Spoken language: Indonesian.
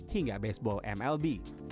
hingga baseball mlb